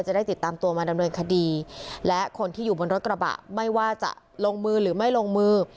จะได้ติดตามตัวมาดำเนินคดีและคนที่อยู่บนรถกระบะไม่ว่าจะลงมือหรือไม่ลงมือ